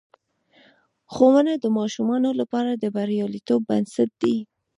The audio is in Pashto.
ښوونه د ماشومانو لپاره د بریالیتوب بنسټ دی.